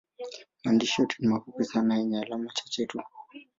Maandishi yote ni mafupi sana yenye alama chache tu.